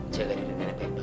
jaga diri nenek baik baik